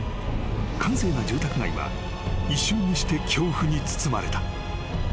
［閑静な住宅街は一瞬にして恐怖に包まれた］